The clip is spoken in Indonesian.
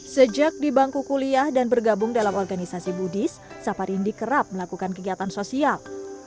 sejak di bangku kuliah dan bergabung dalam organisasi buddhis saparindi kerap melakukan kegiatan sosial